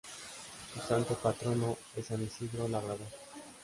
Su Santo Patrono es San Isidro Labrador.